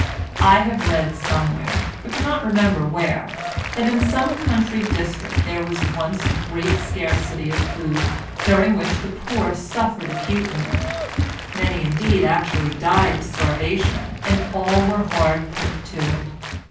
I have read somewhere, but cannot remember where, that in some country district there was once a great scarcity of food, during which the poor suffered acutely; many indeed actually died of starvation, and all were hard put to it.